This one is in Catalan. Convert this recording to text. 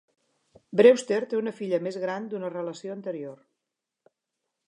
Brewster té una filla més gran d'una relació anterior.